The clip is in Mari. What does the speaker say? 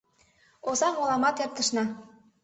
Озаҥ оламат эртышна.